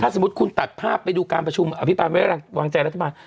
ถ้าสมมติคุณตัดภาพไปดูการพระชุมอภิปราณเวลาวางใจเร็วรัฐบาล